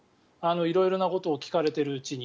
色々なことを聞かれているうちに。